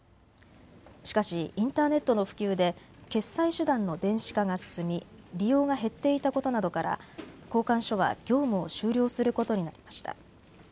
しかしインターネットの普及で決済手段の電子化が進み利用が減っていたことなどから交換所は業務を終了することになりました。